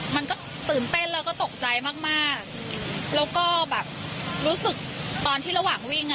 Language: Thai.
มันก็ตื่นเต้นแล้วก็ตกใจมากมากแล้วก็แบบรู้สึกตอนที่ระหว่างวิ่งอ่ะ